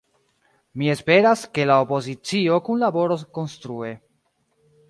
Mi esperas, ke la opozicio kunlaboros konstrue.